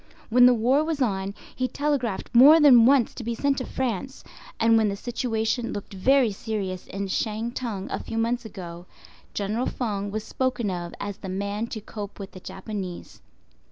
When the war was on, he telegraphed more than once to be sent to France; and when the situation looked very serious in Shantung a few months ago, General Feng was spoken of as the man to cope with the Japanese.